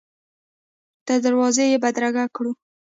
تر دروازې یې بدرګه کړو.